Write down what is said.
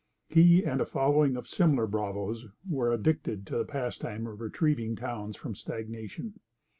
He and a following of similar bravoes were addicted to the pastime of retrieving towns from stagnation.